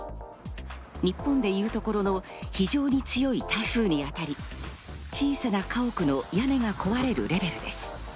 日本で言うところの非常に強い台風に当たり、小さな家屋の屋根が壊れるレベルです。